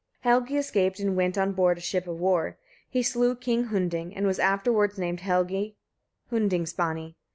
Helgi escaped and went on board a ship of war. He slew King Hunding, and was afterwards named Helgi Hundingsbani.